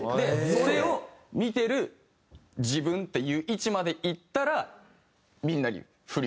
それを見てる自分っていう位置までいったらみんなに振りを移すっていう。